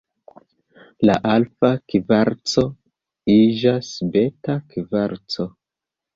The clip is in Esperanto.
La alfa kvarco iĝas beta kvarco.